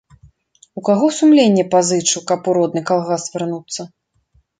У каго сумленне пазычу, каб у родны калгас вярнуцца?